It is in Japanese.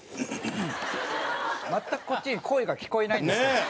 全くこっちに声が聞こえないんですけど。